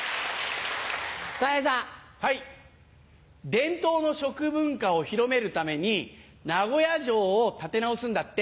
伝統の食文化を広めるために名古屋城を建て直すんだって。